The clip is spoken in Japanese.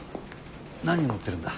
何持ってるんだ？